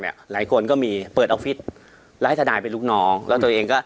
หลายคนก็มีเปิดออฟฟิศแล้วให้ทนายเป็นลูกน้องแล้วตัวเองก็